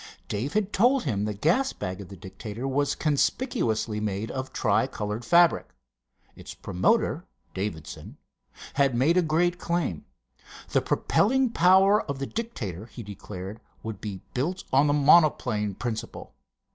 Dave had told him the gas bag of the Dictator was conspicuously made of tri colored fabric. Its promoter, Davidson, had made a great claim. The propelling power of the Dictator, he declared, would be built on the monoplane principle.